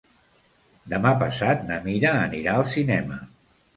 Demà passat na Mira anirà al cinema.